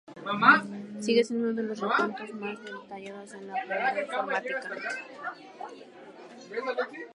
Sigue siendo uno de los recuentos más detallados de la primera informática.